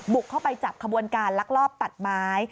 บุกเข้าไปจับขบวนการลักลอบตัดไม้